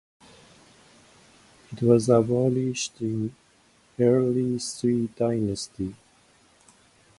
It was abolished in early Sui dynasty.